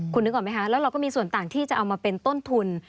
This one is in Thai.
คุณนึกออกไหมคะแล้วเราก็มีส่วนต่างที่จะเอามาเป็นต้นทุน